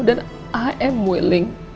dan i am willing